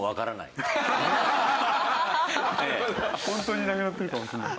ホントになくなってるかもしれない。